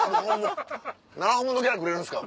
７本分のギャラくれるんですか？」。